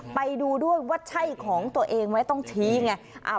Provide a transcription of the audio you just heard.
ไปดูด้วยว่าใช่ของตัวเองไหมต้องชี้ไง